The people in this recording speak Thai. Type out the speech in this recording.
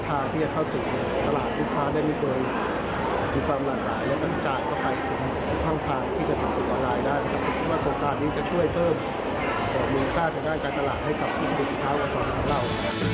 ของมือค่าจะได้การตลาดให้สำคัญของลูกภาพกว่าตอนนั้นเท่าไหร่